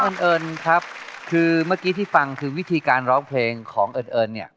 เอิญครับคือเมื่อกี้ที่ฟังคือวิธีการร้องเพลงของเอิญเอิญเนี่ย